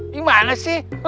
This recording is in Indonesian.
di mana sih